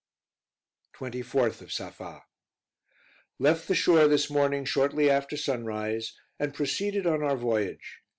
24th of Safa. Left the shore this morning shortly after sunrise, and proceeded on our voyage.